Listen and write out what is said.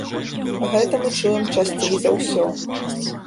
Гэта мы чуем часцей за ўсё.